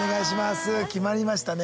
決まりましたね